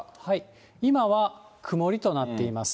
今は曇りとなっています。